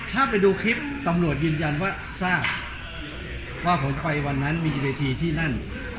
ถ้าไปดูคลิปตำรวจยืนยันว่าทราบว่าผมจะไปวันนั้นมีเวทีที่นั่น